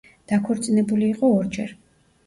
დაქორწინებული იყო ორჯერ.